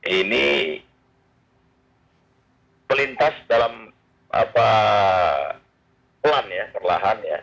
ini melintas dalam pelan ya perlahan ya